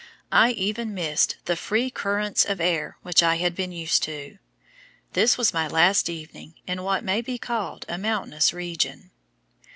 I even missed the free currents of air which I had been used to! This was my last evening in what may be called a mountainous region.